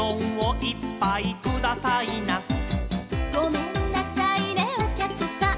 「『ごめんなさいね、おきゃくさん。